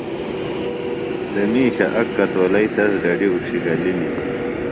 سےۡ مِیشہ اک کتولئیۡ تس ڈڈیۡ اُڇھیۡ گلِلیۡ